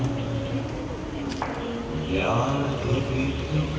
สวัสดีครับสวัสดีครับ